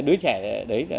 đứa trẻ đấy